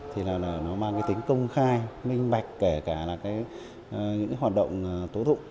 thì nó mang cái tính công khai minh bạch kể cả là những hoạt động tố thụ